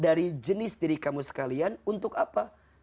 dari jenis diri kamu sekalian untuk apa